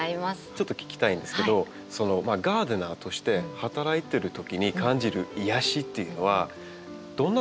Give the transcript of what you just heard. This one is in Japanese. ちょっと聞きたいんですけどガーデナーとして働いてるときに感じる癒やしっていうのはどんなところにあるんですか？